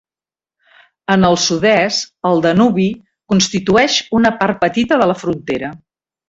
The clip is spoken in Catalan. En el sud-est, el Danubi constitueix una part petita de la frontera.